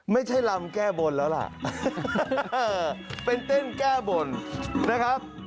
ไม่ใช่ลำแก้บนแล้วล่ะเป็นเต้นแก้บนนะครับ